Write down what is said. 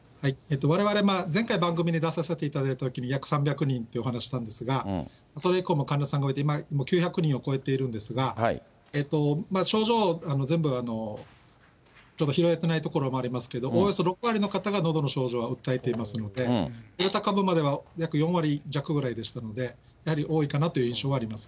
われわれ、前回、番組に出させていただいたときに約３００人というお話したんですが、それ以降も患者さんがおいでで、９００人を超えているんですが、症状全部は拾えていないところもあるんですけれども、おおよそ６割の方がのどの症状を訴えていますので、デルタ株では約４割弱でしたので、やはり多いかなという印象はあり